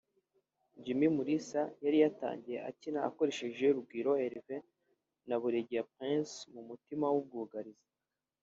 Jimmy Mulisa yari yatangiye akina akoresheje Rugwiro Herve na Buregeya Prince mu mutima w’ubwugarizi